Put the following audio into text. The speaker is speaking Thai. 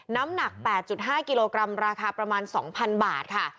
น้ำหนัก๘๕กิโลกรัมราคาประมาณ๒๐๐๐บาทค่ะ